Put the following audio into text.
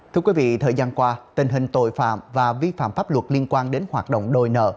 thưa quý vị thời gian qua tình hình tội phạm và vi phạm pháp luật liên quan đến hoạt động đòi nợ